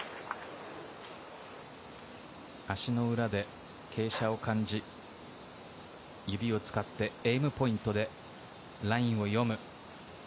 足の裏で傾斜を感じ、指を使ってゲームポイントでラインを読む。